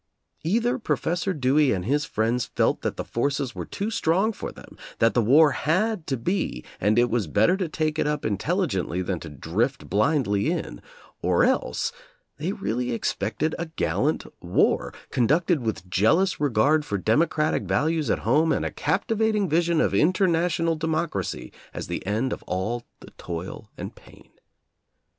Either Professor Dewey and his friends felt that the forces were too strong for them, that the war had to be, and it was better to take it up intelligently than to drift blindly in; or else they really expected a gallant war, conducted with jealous regard for democratic values at home and a captivating vision of international democracy as the end of all the toil and pain.